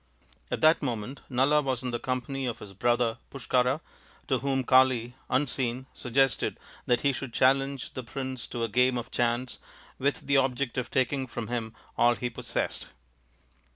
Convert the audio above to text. At that moment Nala was in the company of his brother Pushkara, to whom Kali, unseen, suggested that he should challenge the prince to a game of chance with the object of taking from him all he possessed.